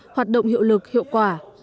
hoạt động hiệu lực hiệu quả